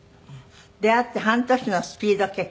出会って半年のスピード結婚。